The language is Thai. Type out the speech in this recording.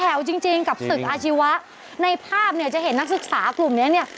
เอาลูกออกเลย